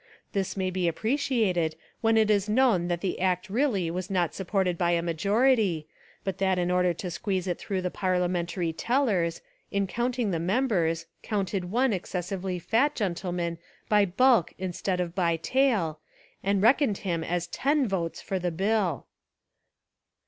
This may be appre ciated when It is known that the Act really was not supported by a majority, but that in order to squeeze it through the parliamentary tellers, in counting the members, counted one exces sively fat gentleman by bulk Instead of by tale, and reckoned him as ten votes for the bill.